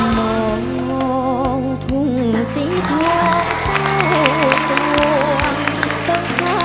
น้องน้องทุ่งสีทองเก้าร่วง